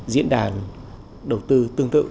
diễn đàn đầu tư tương tự